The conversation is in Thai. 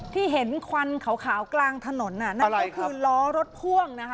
ที่เห็นควันขาวกลางถนนนั่นก็คือล้อรถพ่วงนะคะ